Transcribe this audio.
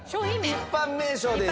一般名称です。